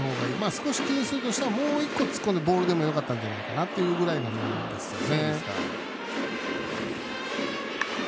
少し気にするとしたらもう一個、突っ込んでボールでもよかったんじゃないかなというところですね。